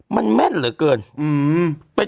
มันแม่นเหลือเกิน